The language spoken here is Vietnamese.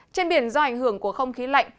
trên biển do ảnh hưởng của không khí lạnh